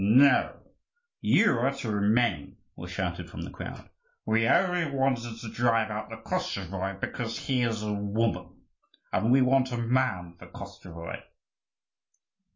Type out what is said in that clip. "No, you are to remain!" was shouted from the crowd. "We only wanted to drive out the Koschevoi because he is a woman, and we want a man for Koschevoi."